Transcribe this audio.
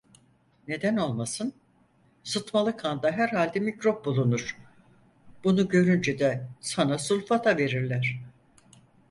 Neden olmasın? Sıtmalı kanda herhalde mikrop bulunur, bunu görünce de sana sulfata verirler!